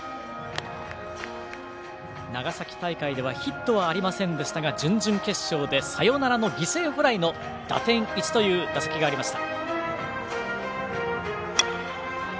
長崎大会ではヒットはありませんでしたが準々決勝でサヨナラの犠牲フライの打点１という打席がありました。